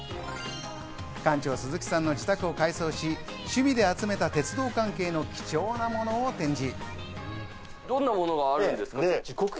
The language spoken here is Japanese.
館長・鈴木さんの自宅を改装し、趣味で集めた鉄道関係の貴重なものを展示。